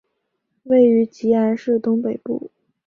位于吉安市东北部。